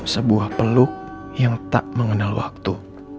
sebuah peluk yang tak mengenal waktu